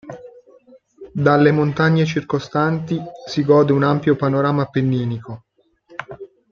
Dalle montagne circostanti si gode un ampio panorama appenninico.